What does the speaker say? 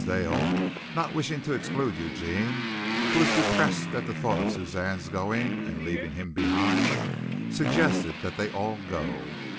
Dale, not wishing to exclude Eugene, who was depressed at the thought of Suzanne's going and leaving him behind, suggested that they all go.